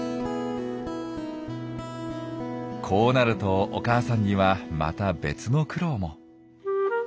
こうなるとお母さんにはまた別の苦労も。